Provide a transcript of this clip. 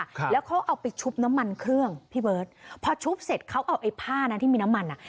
ครับแล้วเขาเอาไปชุบน้ำมันเครื่องพี่เบิร์ตพอชุบเสร็จเขาเอาไอ้ผ้านั้นที่มีน้ำมันอ่ะ